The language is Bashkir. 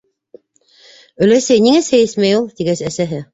Өләсәй ниңә сәй эсмәй ул? - тигәс, әсәһе: